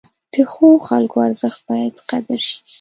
د ښو خلکو ارزښت باید قدر شي.